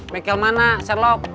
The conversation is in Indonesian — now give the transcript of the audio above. bengkel mana sherlock